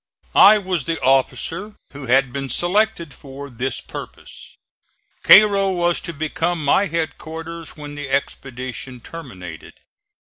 I was the officer who had been selected for this purpose. Cairo was to become my headquarters when the expedition terminated.